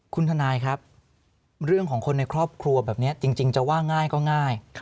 คุณทนายครับเรื่องของคนในครอบครัวแบบนี้จริงจะว่าง่ายก็ง่าย